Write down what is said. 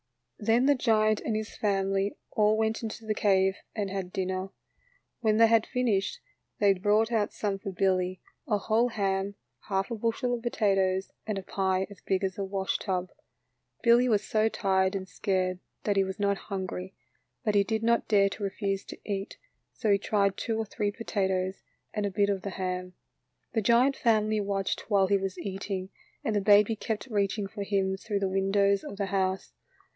Then the giant and his family all went into the cave and had dinner. When they had finished, they brought out some for Billy — a whole ham, half a bushel of potatoes, and a pie as big as a washtub. Billy was so tired and scared that he was not hungry, but he did not dare to refuse to eat, so he tried two or three potatoes and a bit of the ham. The giant family watched while he was eat ing, and the baby kept reaching for him through the windows of the house.